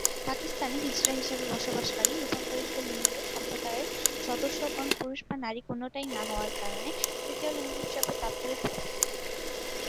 পাকিস্তানে, হিজড়া হিসেবে বসবাসকারী রূপান্তরিত লিঙ্গের সম্প্রদায়ের সদস্যগণ পুরুষ বা নারী কোনটাই না হওয়ার কারণে তৃতীয় লিঙ্গ হিসেবে দাপ্তরিকভাবে স্বীকৃত।